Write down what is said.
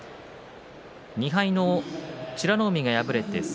２敗の美ノ海、敗れました。